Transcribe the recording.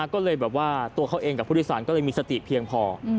ก็เลยตัวเขาเองกับผู้โดยสารมีสติดีเพียงพอ